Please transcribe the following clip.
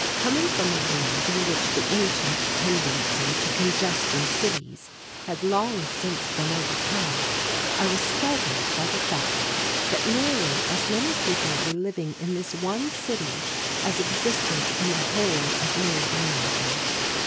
Coming from a world in which the ancient tendency to congest in cities had long since been overcome, I was staggered by the fact that nearly as many people were living in this one city as existed in the whole of North America.